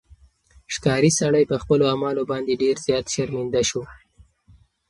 ښکاري سړی په خپلو اعمالو باندې ډېر زیات شرمنده شو.